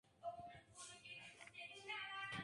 Hojas opuestas, ovales, dentadas, ásperas.